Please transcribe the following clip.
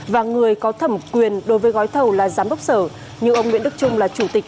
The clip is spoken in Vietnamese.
và người có thẩm quyền đối với gói thầu là giám đốc sở nhưng ông nguyễn đức trung là chủ tịch